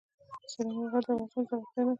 سلیمان غر د افغانستان د زرغونتیا نښه ده.